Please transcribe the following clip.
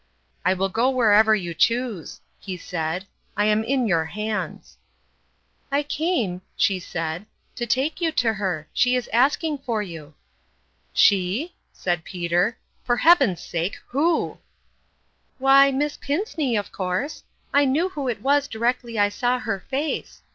" I will go wherever you choose," he said ;" I am in your hands." "I came," she said, "to take you to her. She is asking for you." "She?" said Peter. "For heaven's sake, Intereot. 167 " Why, Miss Pinceney, of course. I knew who it was directly I saw her face.